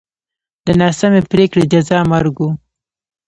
د ناسمې پرېکړې جزا مرګ و